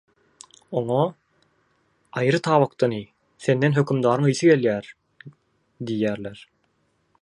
oňa “Aýry tabakdan iý, senden hökümdaryň ysy gelýär” diýýärler.